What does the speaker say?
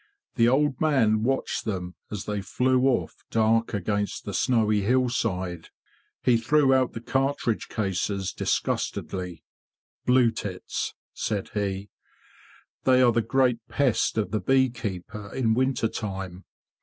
The old man watched them as they flew off dark against the snowy hillside. He threw out the cartridge cases disgustedly. '* Blue tits!'' said he. '' They are the great pest of the bee keeper in winter time.